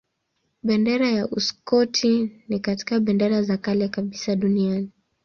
Bendera ya Uskoti ni kati ya bendera za kale kabisa duniani.